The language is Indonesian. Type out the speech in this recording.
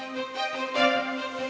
namun lautnya masuk miar